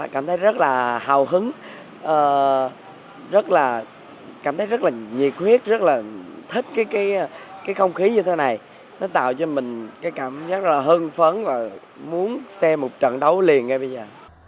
cảm thấy rất là hào hứng rất là cảm thấy rất là nhiệt huyết rất là thích cái không khí như thế này nó tạo cho mình cái cảm giác rất là hưng phấn và muốn xem một trận đấu liền ngay bây giờ